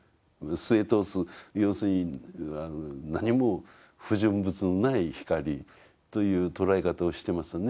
すえ通す要するに何も不純物のない光という捉え方をしてますよね。